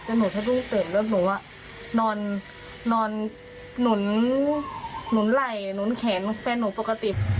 แต่หนูสะดุ้งเสร็จแล้วหนูนอนหนุนไหล่หนุนแขนแฟนหนูปกติ